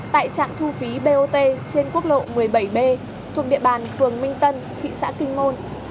tại trạm thu phí bot trên quốc lộ một mươi bảy b thuộc địa bàn phường minh tân thị xã kinh môn